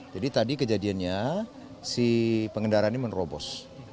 tadi kejadiannya si pengendara ini menerobos